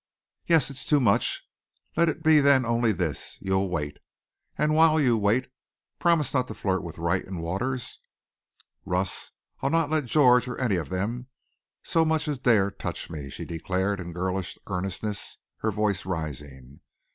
"Yes, it's too much. Let it be then only this you'll wait. And while you wait, promise not to flirt with Wright and Waters." "Russ, I'll not let George or any of them so much as dare touch me," she declared in girlish earnestness, her voice rising.